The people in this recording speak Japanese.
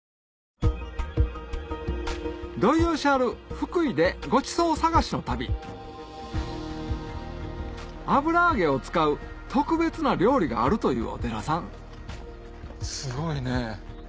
福井でごちそう探しの旅油揚げを使う特別な料理があるというお寺さんすごいね。